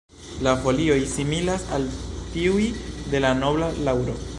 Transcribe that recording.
La folioj similas al tiuj de la nobla laŭro.